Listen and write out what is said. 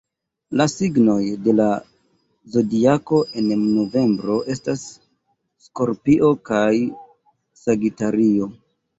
La signoj de la Zodiako en novembro estas Skorpio kaj Sagitario.